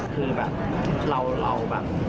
คือแบบเราแบบ